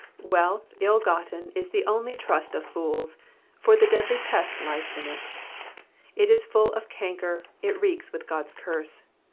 ''^ Wealth ill gotten is the trust only of fools, for the deadly pest lies in it ; it is full of canker, it reeks with God's curse.